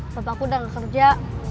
bapakku udah gak kerja